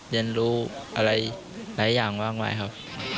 เรียนรู้อะไรหลายอย่างมากมายครับ